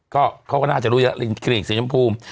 เขาก็น่าจะรู้แล้วคลีนิกสีชมพู